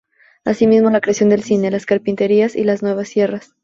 Asimismo, la creación del cine, las carpinterías y nuevas sierras.